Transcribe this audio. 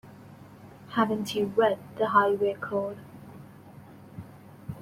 Haven't you read the Highway Code?